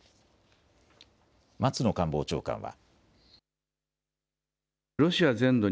松野官房長官は。